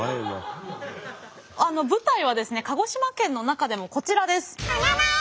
舞台はですね鹿児島県の中でもこちらです。